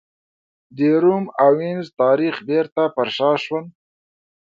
د روم او وینز تاریخ بېرته پر شا شول.